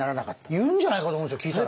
言うんじゃないかと思うんです聞いたら。